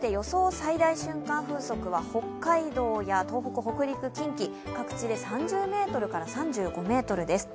最大瞬間風速は北海道や東北、北陸、近畿、各地で３０メートルから３５メートルです。